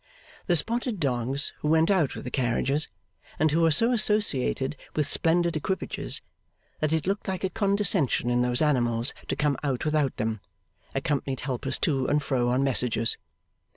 The spotted dogs who went out with the carriages, and who were so associated with splendid equipages that it looked like a condescension in those animals to come out without them, accompanied helpers to and fro on messages.